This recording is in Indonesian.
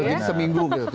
jadi seminggu gitu